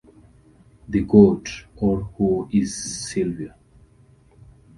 The Goat, or Who Is Sylvia?